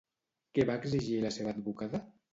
Què va exigir la seva advocada?